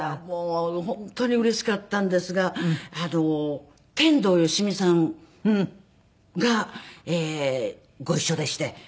もう本当にうれしかったんですが天童よしみさんがご一緒でして。